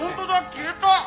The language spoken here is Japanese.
消えた！